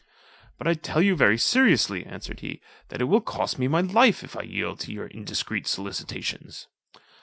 "But I tell you very seriously," answered he, "that it will cost me my life if I yield to your indiscreet solicitations."